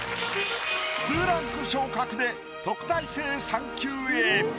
２ランク昇格で特待生３級へ。